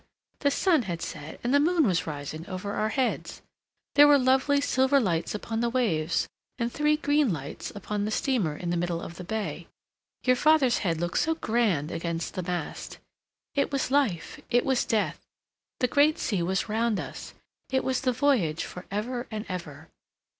"The sun had set and the moon was rising over our heads. There were lovely silver lights upon the waves and three green lights upon the steamer in the middle of the bay. Your father's head looked so grand against the mast. It was life, it was death. The great sea was round us. It was the voyage for ever and ever."